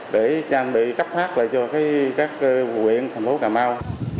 để trang bị cấp phát lại cho các huyện thành phố cà mau